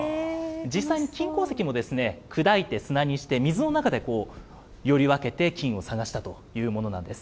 実際に金鉱石を砕いて砂にして水の中で寄り分けて金を探したというものなんです。